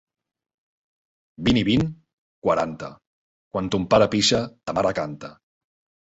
Vint i vint? –Quaranta. –Quan ton pare pixa, ta mare canta.